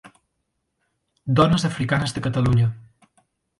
Dones Africanes de Catalunya.